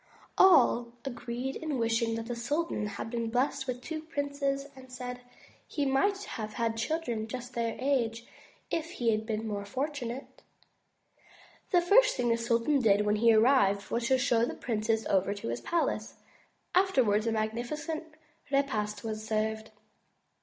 All agreed in wishing that the sultan had been blessed with two such princes and said: "He might have had children just their age if he had been more fortunate." The first thing the sultan did when he arrived was to show the princes over his palace. Afterwards a magnificent repast was served.